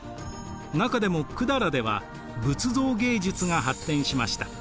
中でも百済では仏像芸術が発展しました。